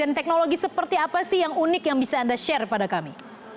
dan teknologi seperti apa sih yang unik yang bisa anda share kepada kami